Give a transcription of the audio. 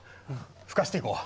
吹かしていこう。